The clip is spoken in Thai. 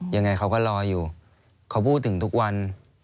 ยังไงเขาก็รออยู่เขาพูดถึงทุกวัน